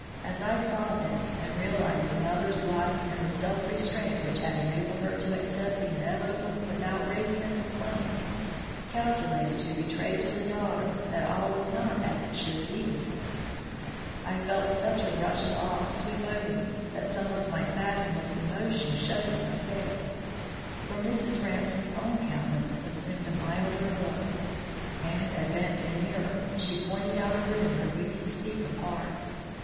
As I saw this, and realized the mother's life and the self restraint which had enabled her to accept the inevitable without raising a complaint calculated to betray to the daughter that all was not as it should be with them, I felt such a rush of awe sweep over me that some of my fathomless emotion showed in my face; for Mrs. Ransome's own countenance assumed a milder look, and advancing nearer, she pointed out a room where we could speak apart.